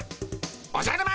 おじゃる丸。